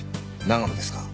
長野ですか。